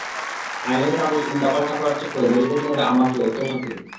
আইনের কাগজ উল্টাপাল্টা করার চক্করে জেলে যেতে হবে আমাকেও, তোমাকেও।